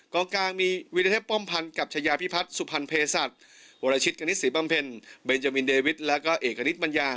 กลางมีวิรเทพป้อมพันธ์กับชายาพิพัฒน์สุพรรณเพศัตริย์วรชิตกณิตศรีบำเพ็ญเบนจามินเดวิทแล้วก็เอกณิตปัญญา